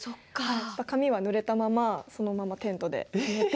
髪はぬれたままそのままテントで寝て。